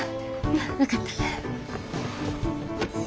分かった。